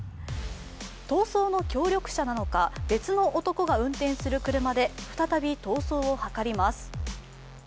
逃走の協力者なのか、別の男が運転する車で再び逃走を図ります。